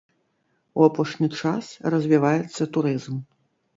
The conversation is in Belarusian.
У апошні час развіваецца турызм.